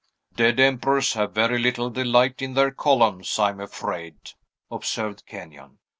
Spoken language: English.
"Dead emperors have very little delight in their columns, I am afraid," observed Kenyon.